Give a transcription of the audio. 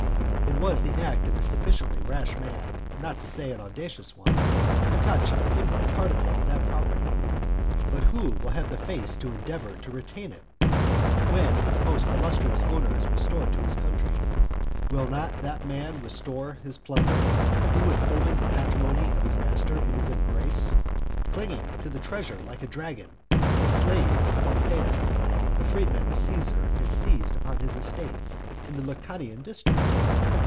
It was the act of a sufficiently rash man, not to say an audacious one, to touch a single particle of that property; but who will have the face to endeavour to retain it, when its most illustrious owner is restored to his country? Will not that man restore his plunder, who enfolding the patrimony of his master in his embrace, clinging to the treasure like a dragon, the slave of Pompeius, the freedman of Caesar, has seized upon his estates in the Lucanian district?